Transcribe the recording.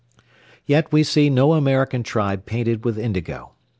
Yet we see no American tribe painted with indigo.